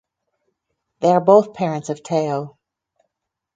They are both parents of Teo.